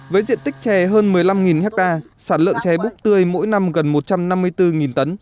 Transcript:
với diện tích chè hơn một mươi năm ha sản lượng chè búp tươi mỗi năm gần một trăm năm mươi bốn tấn